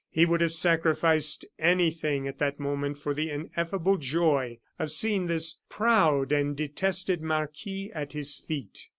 He would have sacrificed anything at that moment for the ineffable joy of seeing this proud and detested marquis at his feet.